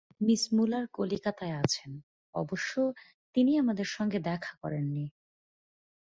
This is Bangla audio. মিস মূলার কলিকাতায় আছেন, অবশ্য তিনি আমাদের সঙ্গে দেখা করেননি।